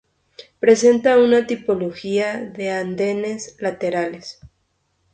Presenta una tipología de andenes laterales.